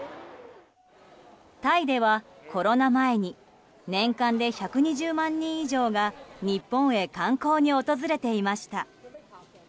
タイではコロナ前に年間で１２０万人以上が日本へ観光に訪れていました。